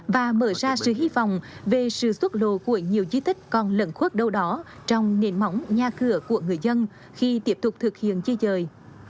và mở ra sự hy vọng về sự xuất lộ của nhiều di tích còn lẩn khuất đâu đó trong nền móng nhà cửa của người dân khi tiếp tục thực hiện di dời